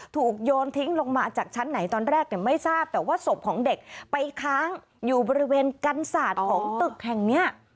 โยนทิ้งลงมาจากชั้นไหนตอนแรกเนี่ยไม่ทราบแต่ว่าศพของเด็กไปค้างอยู่บริเวณกันศาสตร์ของตึกแห่งเนี้ย